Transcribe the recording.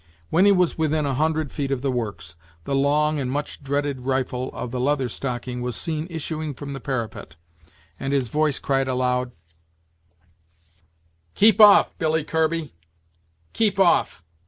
When he was within a hundred feet of the works, the long and much dreaded rifle of the Leather Stocking was seen issuing from the parapet, and his voice cried aloud: "Keep off! Billy Kirby, keep off!